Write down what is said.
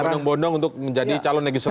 bondong bondong untuk menjadi calon legislatif